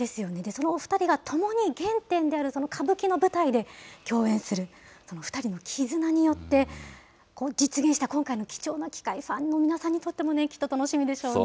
そのお２人が共に原点であるその歌舞伎の舞台で共演する、その２人の絆によって実現したこの貴重な機会、ファンの皆さんにとっても、きっと楽しみでしょうね。